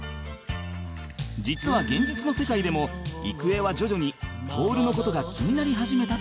実は現実の世界でも郁恵は徐々に徹の事が気になり始めたという